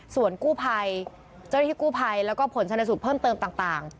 ส่วนกู้ภัยเจ้าหน้าที่กู้ภัยแล้วก็ผลชนสูตรเพิ่มเติมต่าง